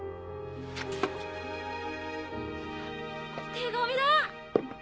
・手紙だ！